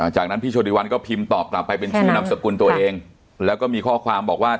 จากนั้นพี่โชติวันก็พิมพ์ตอบกลับไปเป็นชื่อนามสกุลตัวเองแล้วก็มีข้อความบอกว่า